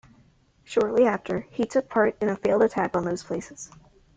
Shortly after, he took part in a failed attack on those places.